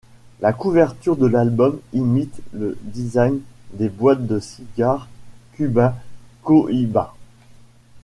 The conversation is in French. La couverture de l'album imite le design des boites de cigares cubains Cohiba.